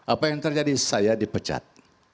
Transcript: apa yang terjadi saya dipecat